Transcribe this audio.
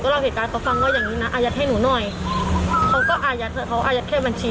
เล่าเหตุการณ์เขาฟังว่าอย่างงี้นะอายัดให้หนูหน่อยเขาก็อายัดเขาอายัดแค่บัญชี